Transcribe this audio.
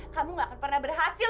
kamu gak akan pernah berhasil